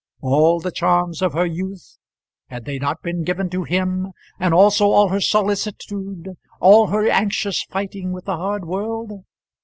All the charms of her youth had they not been given to him, and also all her solicitude, all her anxious fighting with the hard world?